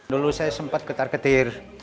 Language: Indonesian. dulu saya sempat ketar ketir